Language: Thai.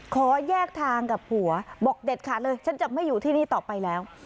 ขอแยกทางกับผัวบอกเด็ดขาดเลยฉันจะไม่อยู่ที่นี่ต่อไปแล้ว